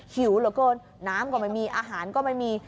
หิวเหลือเกินน้ำก็ไม่มีอาหารก็ไม่มี